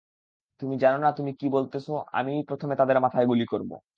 তুমি জানো না তুমি কি বলতেছো আমিই প্রথমে তাদের মাথায় গুলি করব।